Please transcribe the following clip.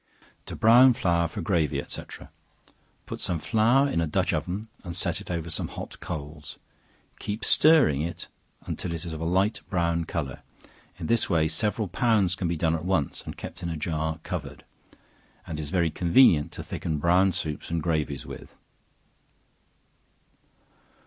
To Brown Flour for Gravy, &c. Put some flour in a dutch oven and set it over some hot coals; keep stirring it until it is of a light brown color; in this way several pounds can be done at once, and kept in a jar covered; and is very convenient to thicken brown soups and gravies with.